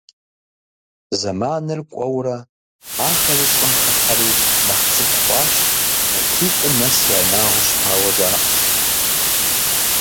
Зэманыр кӀуэурэ ахэри щӀым хыхьэри нэхъ цӀыкӀу хъуащ, метритӀым нэс я инагъыу щытауэ жаӀэ.